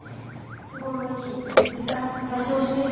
都合のいい日時間場所を指定していただければ。